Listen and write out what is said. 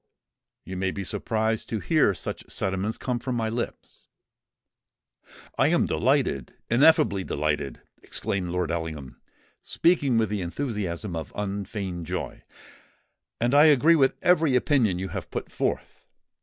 You may be surprised to hear such sentiments come from my lips——" "I am delighted—ineffably delighted!" exclaimed Lord Ellingham, speaking with the enthusiasm of unfeigned joy; "and I agree with every opinion you have put forth.